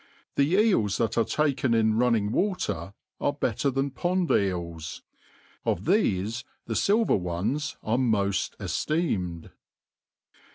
The eels that are takea in running water, are better than pond eels ; of thefe the iiiver ones are moft efteemed.